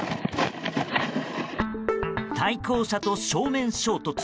対向車と正面衝突。